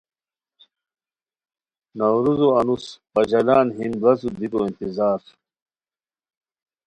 نوروزو انوس پژالان ہیم بڑاڅو دیکو انتظار